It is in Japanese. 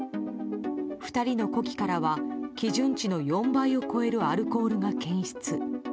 ２人の呼気からは基準値の４倍を超えるアルコールが検出。